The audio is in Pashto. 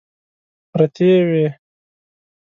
پرتې وې.